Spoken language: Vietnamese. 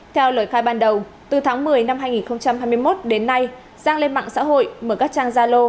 theo lời khai ban đầu từ tháng một mươi năm hai nghìn hai mươi một đến nay giang lên mạng xã hội mở các trang gia lô